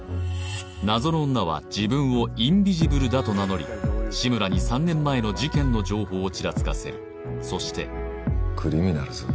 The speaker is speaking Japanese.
謎の女は自分をインビジブルだと名乗り志村に３年前の事件の情報をちらつかせるそしてクリミナルズ？